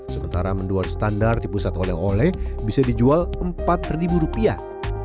sementara menduan standar di pusat oleh oleh bisa dijual empat ribu rupiah